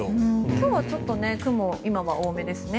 今日はちょっと雲が今は多めですね。